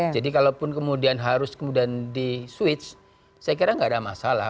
jadi kalau pun kemudian harus kemudian di switch saya kira nggak ada masalah